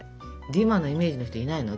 デュマのイメージの人いないの？